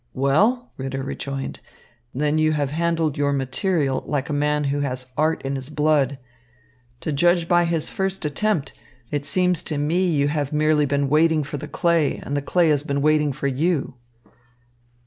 "Well," Ritter rejoined, "then you have handled your material like a man who has art in his blood. To judge by this first attempt, it seems to me you have merely been waiting for the clay and the clay has been waiting for you."